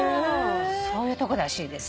そういうとこらしいです。